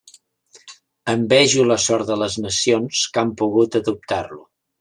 Envejo la sort de les nacions que han pogut adoptar-lo.